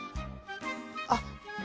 あっ。